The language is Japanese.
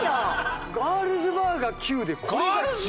ガールズバーが９でこれが１３！？